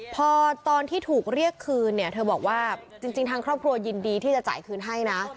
พอตอนที่ถูกเรียกคืนเนี่ยเธอบอกว่าจริงทางครอบครัวยินดีที่จะจ่ายคืนให้นะ